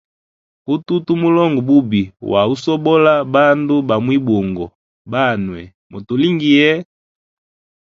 Utu tumulonga bubi wa usobola bandu ba mwibungo, banwe mutulingiye.